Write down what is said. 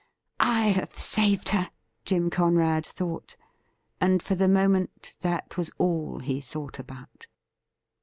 ' I have saved her,' Jim Conrad thought ; and for the moment that was all he thought about.